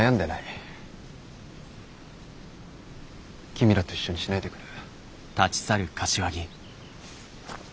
君らと一緒にしないでくれ。